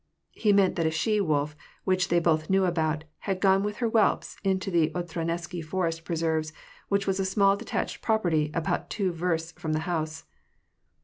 (He meant that a she wolf, which they both knew about, had gone with her whelps into the Otradneusky forest preserves, which was a small detached property, about two versts from the bouse.)